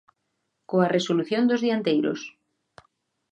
Coa resolución dos dianteiros.